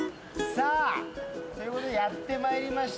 さあということでやってまいりました